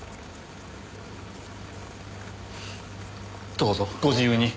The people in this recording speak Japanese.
どうぞご自由に。